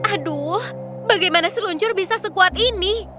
aduh bagaimana seluncur bisa sekuat ini